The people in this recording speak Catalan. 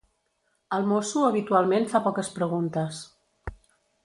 El mosso habitualment fa poques preguntes.